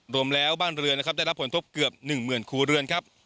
โรมแล้วบ้านเรือนนะครับควรตกเกือบ๑เหมือนครูเรือนครับ